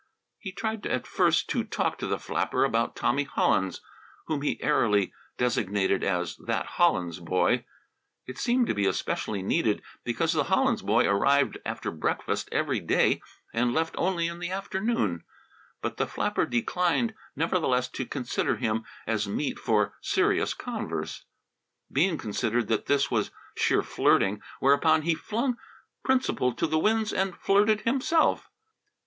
He tried at first to talk to the flapper about Tommy Hollins, whom he airily designated as "that Hollins boy". It seemed to be especially needed, because the Hollins boy arrived after breakfast every day and left only in the late afternoon. But the flapper declined nevertheless to consider him as meat for serious converse. Bean considered that this was sheer flirting, whereupon he flung principle to the winds and flirted himself.